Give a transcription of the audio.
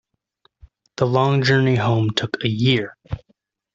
The long journey home took a year.